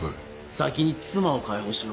先に妻を解放しろ。